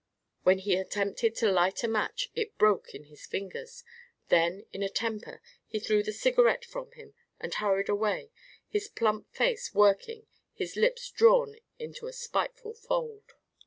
When he attempted to light a match it broke in his fingers, then in a temper he threw the cigarette from him and hurried away, his plump face working, his lips drawn into a spiteful fold.